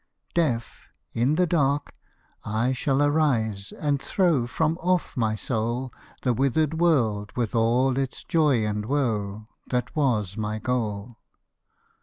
Deaf, in the dark, I shall arise and throw From off my soul, The withered world with all its joy and woe, That was my goal.